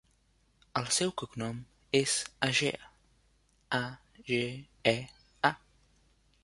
El seu cognom és Agea: a, ge, e, a.